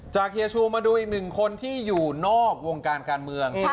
เฮียชูมาดูอีกหนึ่งคนที่อยู่นอกวงการการเมือง